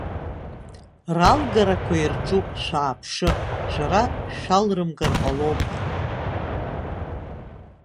Ралгарақәа ирҿуп, шәааԥшы, шәара шәалрымгар ҟалома!